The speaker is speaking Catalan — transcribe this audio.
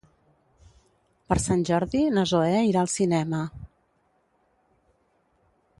Per Sant Jordi na Zoè irà al cinema.